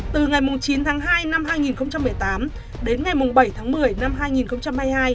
từ ngày chín tháng hai năm hai nghìn một mươi tám đến ngày bảy tháng một mươi năm hai nghìn hai mươi hai